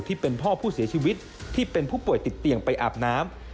ที่เป็นพ่อผู้เสียชีวิตที่เป็นผู้ป่วยติดเตียงไปอาบน้ำ